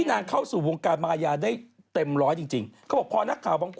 นางเข้าสู่วงการมายาได้เต็มร้อยจริง